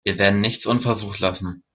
Wir werden nichts unversucht lassen.